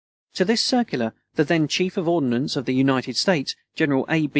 To this circular the then Chief of Ordnance of the United States, General A.